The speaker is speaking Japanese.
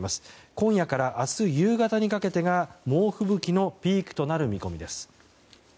今夜から明日夕方にかけてが猛吹雪のピークとなる見込みです。